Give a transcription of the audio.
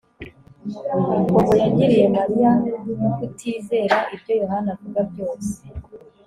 Bobo yagiriye Mariya kutizera ibyo Yohana avuga byose